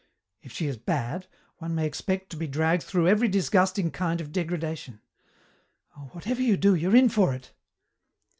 If she is bad, one may expect to be dragged through every disgusting kind of degradation. Oh, whatever you do, you're in for it."